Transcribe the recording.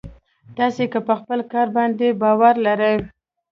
تاسې که په خپل کار باندې باور لرئ.